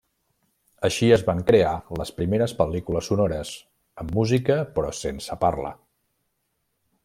Així es van crear les primeres pel·lícules sonores, amb música però sense parla.